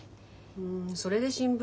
ふんそれで新聞。